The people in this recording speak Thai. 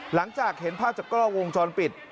หลังจากเห็นภาพจากกล้องวงจรปิด